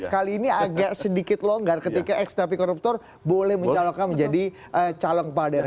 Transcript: kali ini agak sedikit longgar ketika ex napi koruptor boleh mencalonkan menjadi calon kepala daerah